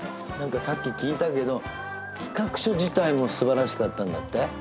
何かさっき聞いたけど企画書自体も素晴らしかったんだって？